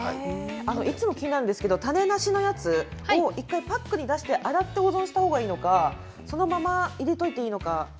いつも気になるんですが種なしのやつ、１回パックから出して洗ったほうがいいのかそのまま入れておいていいのか。